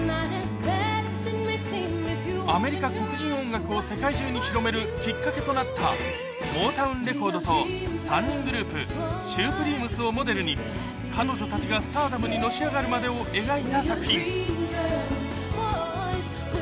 アメリカ黒人音楽を世界中に広めるきっかけとなった、モータウン・レコードと、３人グループ、シュープリームスをモデルに、彼女たちがスターダムにのし上がるまでを描いた作品。